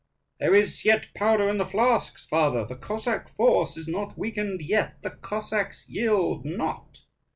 "There is yet powder in the flasks, father; the Cossack force is not weakened yet: the Cossacks yield not!"